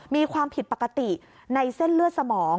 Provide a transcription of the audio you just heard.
มีความผิดปกติในเส้นเลือดสมอง